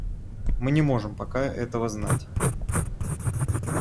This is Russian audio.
Мы не можем пока этого знать.